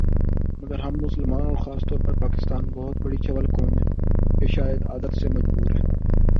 مگر ہم مسلمان اور خاص طور پر پاکستانی بہت بڑی چول قوم ہیں ، یا شاید عادت سے مجبور ہیں